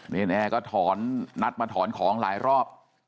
แอร์ก็ถอนนัดมาถอนของหลายรอบ